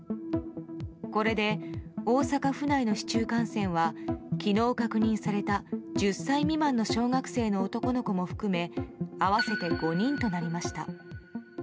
これで大阪府内の市中感染は昨日確認された１０歳未満の小学生の男の子も含め合わせて５人となりました。